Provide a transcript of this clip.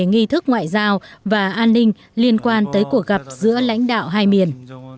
nghi thức ngoại giao và an ninh liên quan tới cuộc gặp giữa lãnh đạo hai miền